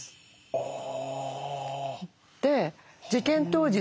ああ。